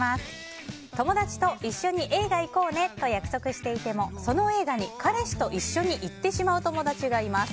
友達と一緒に映画行こうねと約束していてもその映画に彼氏と一緒に行ってしまう友達がいます。